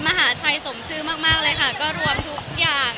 ไม่ต้องถามไม่ต้องถาม